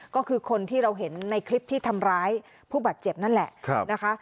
ก็คือคนที่เราเห็นในคลิปที่ทำร้ายผู้บาดเจ็บนั่นแหละนะคะ